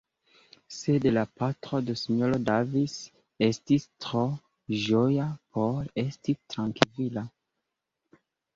Sed la patro de S-ro Davis estis tro ĝoja por esti trankvila.